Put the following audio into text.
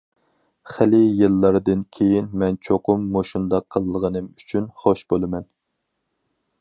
خېلى يىللاردىن كېيىن مەن چوقۇم مۇشۇنداق قىلغىنىم ئۈچۈن خوش بولىمەن.